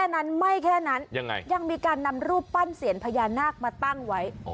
ไม่แค่นั้นยังมีการนำรูปปั้นเสียนพญานาคมาตั้งไว้